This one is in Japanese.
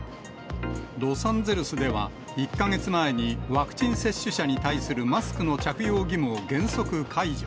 ロサンゼルスでは、１か月前にワクチン接種者に対するマスクの着用義務を原則解除。